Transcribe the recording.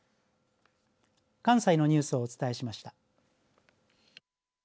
関西のニュースをお伝えしました。